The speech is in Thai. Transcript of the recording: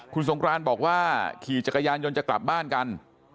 คุณสงครานบอกว่าขี่จักรยานยนต์จะกลับบ้านกัน